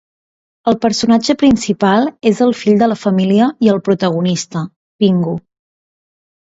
El personatge principal és el fill de la família i el protagonista, Pingu.